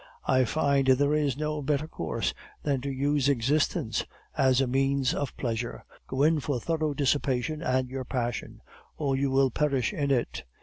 I find there is no better course than to use existence as a means of pleasure. Go in for thorough dissipation, and your passion or you will perish in it.